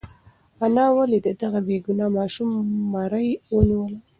انا ولې د دغه بېګناه ماشوم مرۍ ونیوله؟